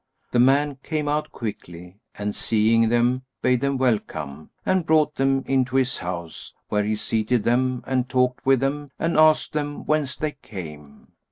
The man came out quickly and seeing them, bade them welcome and brought them into his house, where he seated them and talked with them and asked them whence they came.